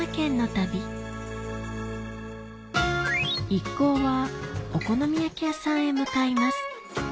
一行はお好み焼き屋さんへ向かいます